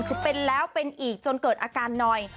คือเป็นแล้วเป็นอีกจนเกิดอาการหน่อย